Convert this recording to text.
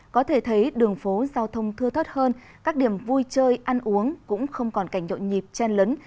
có thể thấy đường phố giao thông thưa thất hơn các điểm vui chơi ăn uống cũng không còn cảnh nhộn nhịp chen lấn